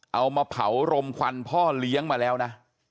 เอามาเผารมควันพ่อเลี้ยงมาแล้วนะ